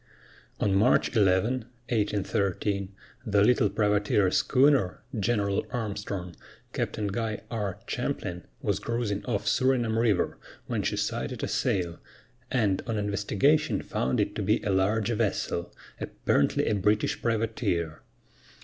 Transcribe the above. On March 11, 1813, the little privateer schooner, General Armstrong, Captain Guy R. Champlin, was cruising off Surinam River, when she sighted a sail, and on investigation found it to be a large vessel, apparently a British privateer.